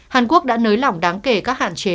hàn quốc đã nới lỏng đáng kể các hạn chế